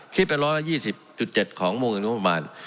คิดเป็น๑๒๐๗ของวงเงินงบประมาณ